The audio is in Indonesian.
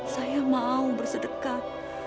saya mau bersedekat